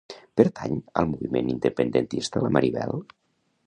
Pertany al moviment independentista la Maribel?